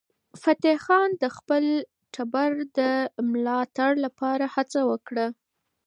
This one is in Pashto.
فتح خان د خپل ټبر د ملاتړ لپاره هڅه وکړه.